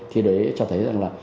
thì đấy cho thấy rằng là